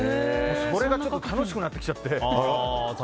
それが楽しくなってきちゃって。